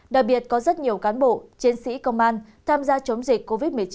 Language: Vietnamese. đặc biệt có rất nhiều cán bộ chiến sĩ công an tham gia chống dịch covid một mươi chín